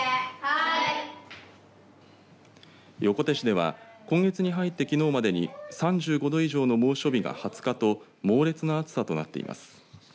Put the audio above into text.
横手市では今月に入ってきのうまでに３５度以上の猛暑日が２０日と猛烈な暑さとなっています。